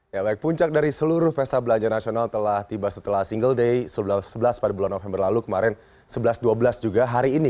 ya baik puncak dari seluruh pesta belanja nasional telah tiba setelah single day sebelas pada bulan november lalu kemarin sebelas dua belas juga hari ini